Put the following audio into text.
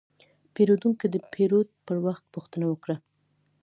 پیرودونکی د پیرود پر وخت پوښتنه وکړه.